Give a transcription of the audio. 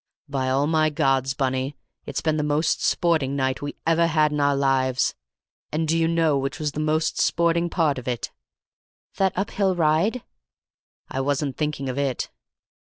"By all my gods, Bunny, it's been the most sporting night we ever had in our lives! And do you know which was the most sporting part of it?" "That up hill ride?" "I wasn't thinking of it."